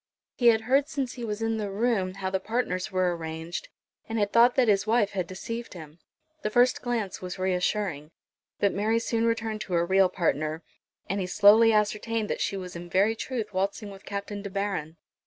He had heard since he was in the room how the partners were arranged, and had thought that his wife had deceived him. The first glance was reassuring. But Mary soon returned to her real partner; and he slowly ascertained that she was in very truth waltzing with Captain De Baron.